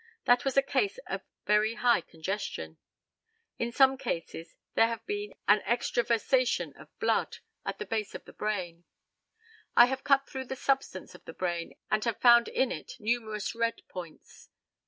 That was a case of very high congestion. In some cases there has been an extravasation of blood at the base of the brain. I have cut through the substance of the brain, and have found in it numerous red points.